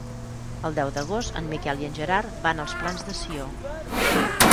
El deu d'agost en Miquel i en Gerard van als Plans de Sió.